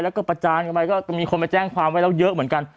แล้วก็ประจานกันไปก็มีคนมาแจ้งความไว้แล้วเยอะเหมือนกัน